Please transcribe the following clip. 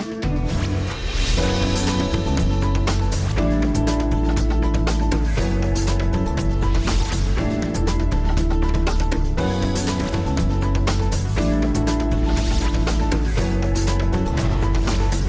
keberagaman suku ras agama